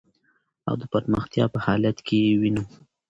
او د پرمختیا په حالت کی یې وېنو .